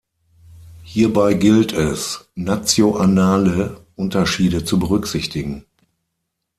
Hierbei gilt es, nationale Unterschiede zu berücksichtigen.